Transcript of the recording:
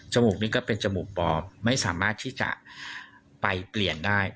มูกนี้ก็เป็นจมูกปอบไม่สามารถที่จะไปเปลี่ยนได้